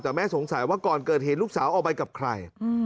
แต่แม่สงสัยว่าก่อนเกิดเหตุลูกสาวออกไปกับใคร